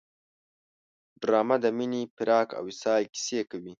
ډرامه د مینې، فراق او وصال کیسې کوي